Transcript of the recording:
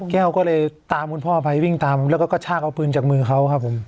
แก้วก็เลยตามคุณพ่อไปวิ่งตามแล้วก็กระชากเอาปืนจากมือเขาครับผม